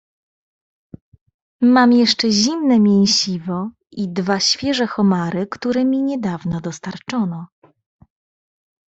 "Mam jeszcze zimne mięsiwo i dwa świeże homary, które mi niedawno dostarczono."